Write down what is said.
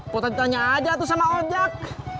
kok tadi tanya aja tuh sama ojak